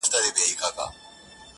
څنګه د مصر په بازار کي زلیخا ووینم -